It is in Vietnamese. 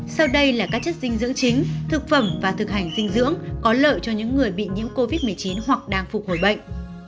sau đây là các chất dinh dưỡng chính thực phẩm và thực hành dinh dưỡng có lợi cho những người bị nhiễm covid một mươi chín hoặc đang phục hồi bệnh